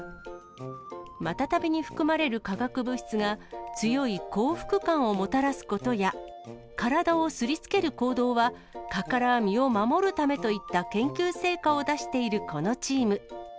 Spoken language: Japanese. マタタビに含まれる化学物質が強い幸福感をもたらすことや、体をすりつける行動は、蚊から身を守るためといった研究成果を出しているこのチーム。